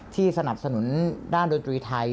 สนับสนุนด้านดนตรีไทย